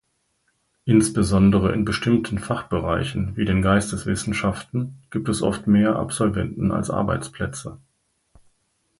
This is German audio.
Insbesondere in bestimmten Fachbereichen, wie den Geisteswissenschaften, gibt es oft mehr Absolventen als Arbeitsplätze.